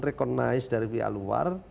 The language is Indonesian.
recognize dari pihak luar